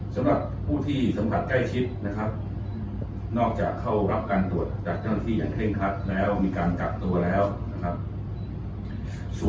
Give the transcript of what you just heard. สำหรับผู้ที่สัมผัสใกล้ชิดนอกจากเข้ารับการตรวจจากที่อย่างเคร่งคัดแล้วมีการกลับตัวแล้ว